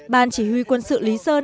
ban chỉ huy quân sự lý sơn